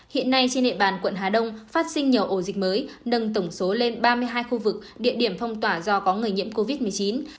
hiện nay trên địa bàn quận hà đông phát sinh nhiều ổ dịch mới nâng tổng số lên ba mươi hai khu vực địa điểm phong tỏa do có người nhiễm covid một mươi chín